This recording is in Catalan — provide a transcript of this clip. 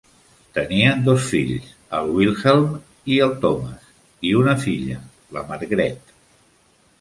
Tenien dos fills, el Vilhelm i el Tomas, i una filla, la Margrethe.